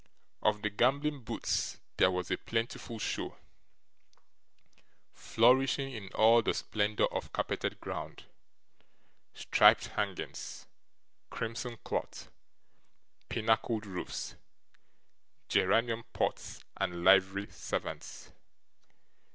Of the gambling booths there was a plentiful show, flourishing in all the splendour of carpeted ground, striped hangings, crimson cloth, pinnacled roofs, geranium pots, and livery servants.